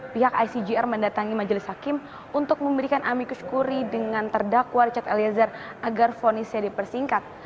pihak icgr mendatangi majelis hakim untuk memberikan amikus kuri dengan terdakwa richard eliezer agar fonisnya dipersingkat